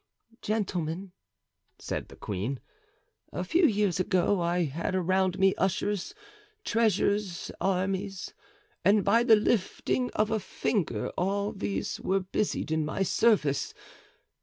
"Gentlemen," said the queen, "a few years ago I had around me ushers, treasures, armies; and by the lifting of a finger all these were busied in my service.